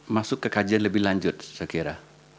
masuk ke kajian lebih lanjut saya kira